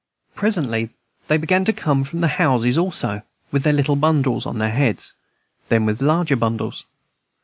Presently they began to come from the houses also, with their little bundles on their heads; then with larger bundles.